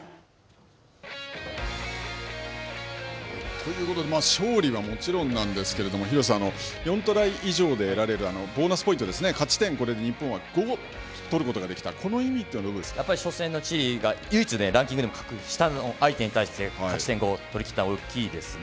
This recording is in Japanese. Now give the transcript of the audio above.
ということで勝利はもちろんなんですけれども、廣瀬さん、４トライ以上で得られるボーナスポイントですね、勝ち点、日本はこれで５を取ることができた、この意味はどうです初戦のチリが唯一ランキングでも格下の相手に対して勝ち点５を取り切ったのは大きいですね。